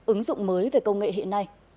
ứng dụng mới về công nghệ hiện nay